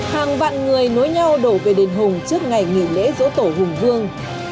hàng vạn người nối nhau đổ về đền hùng trước ngày nghỉ lễ dỗ tổ hùng vương